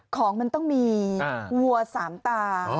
ของมันต้องมีวัวสามตา